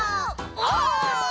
お！